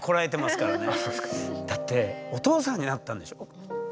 だってお父さんになったんでしょ。